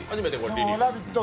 ラヴィット！